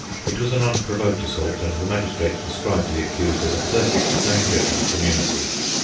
It was an unprovoked assault, and the magistrate described the accused as a perfect danger to the community.